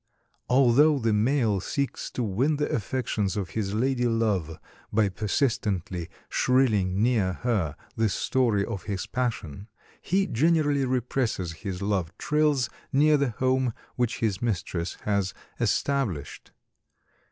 "Although the male seeks to win the affections of his lady love by persistently shrilling near her the story of his passion he generally represses his love trills near the home which his mistress has established.